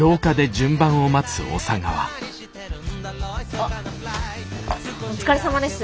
あっお疲れさまです。